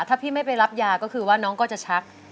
ถ้าพี่ไม่ไปรับยาก็คือว่าน้องก็จะชัก